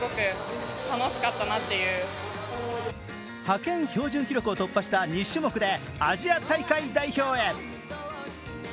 派遣標準記録を突破した２種目でアジア大会代表へ。